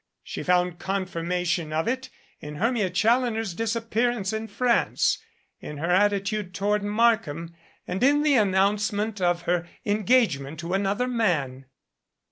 She found con 290 CIRCE 5LND THE FOSSIL firmation of it in Hermia Challoner's disappearance in France, in her attitude toward Markham and in the an nouncement of her engagement to another man.